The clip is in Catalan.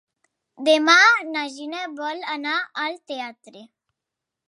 Demà na Gina vol anar al teatre.